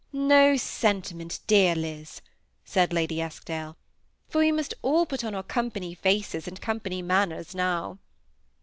" No sentiment, dear Liz," said Lady Eskdale, " for we must all put on our company faces and company manners now."